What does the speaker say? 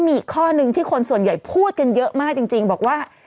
มีอีกข้อนึงที่คนส่วนใหญ่พูดกันเยอะมากจริงบอกว่า